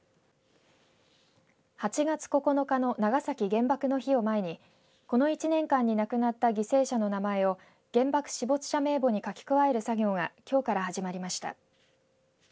８月９日の長崎原爆の日を前にこの１年間に亡くなった犠牲者の名前を原爆死没者名簿に書き加える作業がきょうから始まりました。